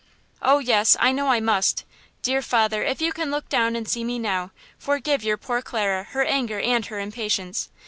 "Oh, yes, I know I must. Dear father, if you can look down and see me now, forgive your poor Clara, her anger and her impatience.